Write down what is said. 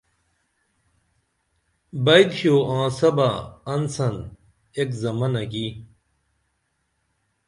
بئی تھیو آنسہ بہ انسن ایک زمنہ کی